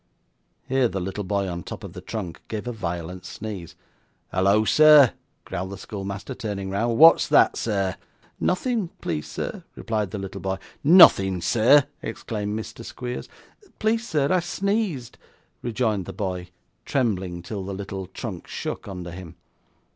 Here the little boy on the top of the trunk gave a violent sneeze. 'Halloa, sir!' growled the schoolmaster, turning round. 'What's that, sir?' 'Nothing, please sir,' replied the little boy. 'Nothing, sir!' exclaimed Mr. Squeers. 'Please sir, I sneezed,' rejoined the boy, trembling till the little trunk shook under him.